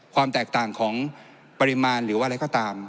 ความแตกต่างของปริมาณหรือว่าอะไรก็ตาม